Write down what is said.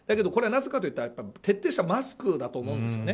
これは、なぜかといったら徹底したマスクだと思うんです。